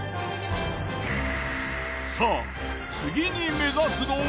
さあ次に目指すのは。